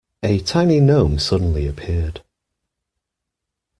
A tiny gnome suddenly appeared.